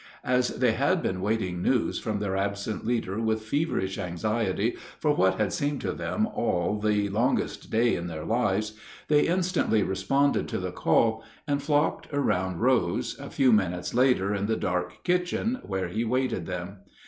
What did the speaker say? As they had been waiting news from their absent leader with feverish anxiety for what had seemed to them all the longest day in their lives, they instantly responded to the call, and flocked around Rose a few minutes later in the dark kitchen where he waited them.